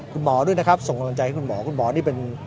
คุณหมอด้วยนะครับส่งกำลังใจให้คุณหมอคุณหมอนี่เป็น